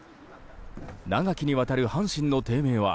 長きにわたる阪神の低迷は